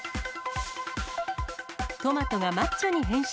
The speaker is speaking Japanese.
トマトがマッチョに変身。